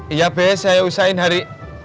iya be saya usahain hari